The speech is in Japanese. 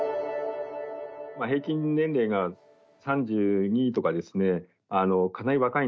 平均年齢が３２とか、かなり若い。